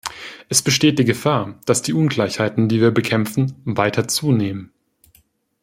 Es besteht die Gefahr, dass die Ungleichheiten, die wir bekämpfen, weiter zunehmen.